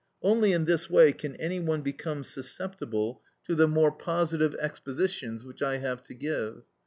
Only in this way can any one become susceptible to the more positive expositions which I have to give.